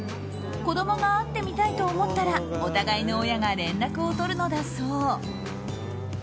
子供が会ってみたいと思ったらお互いの親が連絡を取るのだそう。